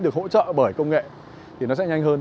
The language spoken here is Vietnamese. được hỗ trợ bởi công nghệ